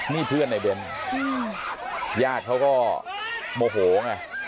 นี่เพื่อนในเบนญาติเขาก็โมโหไง